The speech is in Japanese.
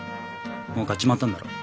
もう買っちまったんだろう？